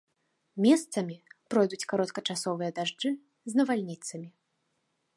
Месцамі пройдуць кароткачасовыя дажджы з навальніцамі.